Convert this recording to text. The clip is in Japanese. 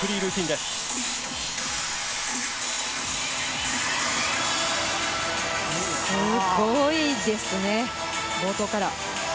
すごいですね、冒頭から。